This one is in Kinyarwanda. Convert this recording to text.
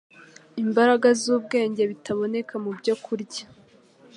imbaraga z’ubwenge, bitaboneka mu byokurya